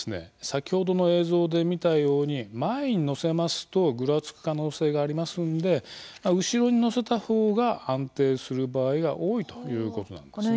先ほどの映像で見たように前に乗せますとぐらつく可能性がありますんで後ろに乗せた方が安定する場合が多いということなんですね。